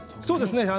そうですね